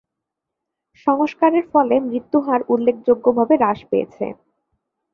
সংস্কারের ফলে, মৃত্যু হার উল্লেখযোগ্যভাবে হ্রাস পেয়েছে।